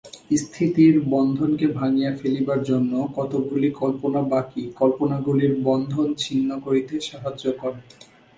স্থিতির বন্ধনকে ভাঙিয়া ফেলিবার জন্য কতকগুলি কল্পনা বাকী কল্পনাগুলির বন্ধন ছিন্ন করিতে সাহায্য করে।